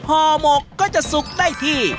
ห่อหมกก็จะสุกได้ที่